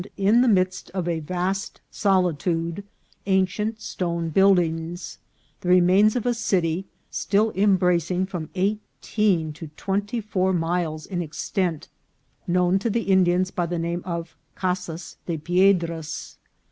295 in the midst of a vast solitude ancient stone buildings, the remains of a city, still embracing from eighteen to twenty four miles in extent, known to the Indians by the name of Casas de Piedras.